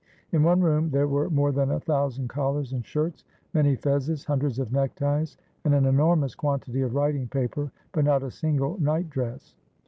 In one room there were more than a thousand collars and shirts, many fezzes, hundreds of neckties, and an enormous quantity of writing paper, but not a single night dress.